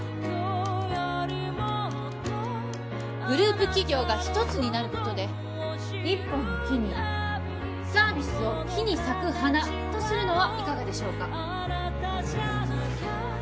グループ企業が一つになることで１本の木にサービスを木に咲く花とするのはいかがでしょうか？